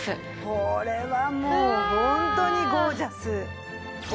これはもうホントにゴージャス。